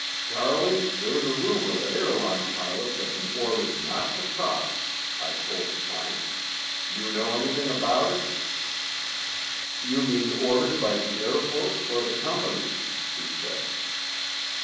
"Charley, there's a rumor that airline pilots have been ordered not to talk," I told Planck. "You know anything about it?" "You mean ordered by the Air Force or the companies?" he said.